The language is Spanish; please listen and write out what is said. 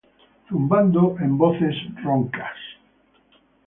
Zumbando en voces roncas